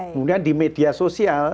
kemudian di media sosial